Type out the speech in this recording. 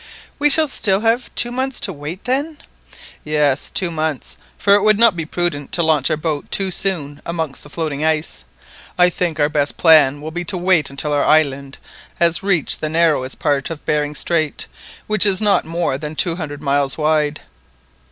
"We shall still have two months to wait then?" "Yes, two months, for it would not be prudent to launch our boat too soon amongst the floating ice; and I think our best plan will be to wait until our island has reached the narrowest part of Behring Strait, which is not more than two hundred miles wide."